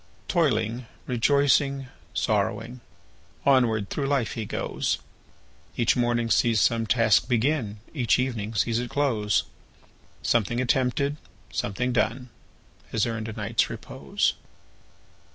Toiling,—rejoicing,—sorrowing, Onward through life he goes; Each morning sees some task begin, Each evening sees it close; Something attempted, something done. Has earned a night's repose.